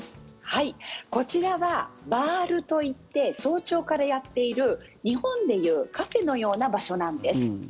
こちらはバールといって早朝からやっている日本でいうカフェのような場所なんです。